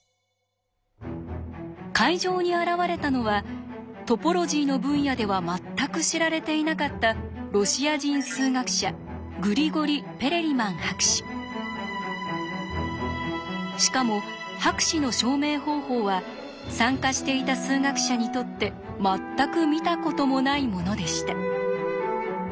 会場に現れたのはトポロジーの分野では全く知られていなかったロシア人数学者しかも博士の証明方法は参加していた数学者にとって全く見たこともないものでした。